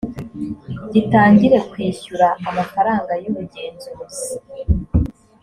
gitangire kwishyura amafaranga y ubugenzuzi